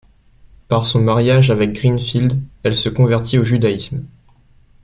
Par son mariage avec Greenfeld elle se convertit au judaïsme.